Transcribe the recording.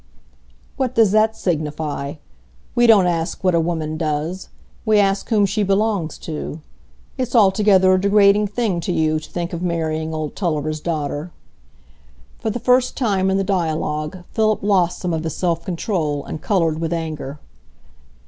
"What does that signify? We don't ask what a woman does; we ask whom she belongs to. It's altogether a degrading thing to you, to think of marrying old Tulliver's daughter." For the first time in the dialogue, Philip lost some of his self control, and coloured with anger.